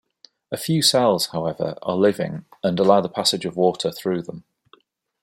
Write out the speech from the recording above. A few cells, however, are living and allow the passage of water through them.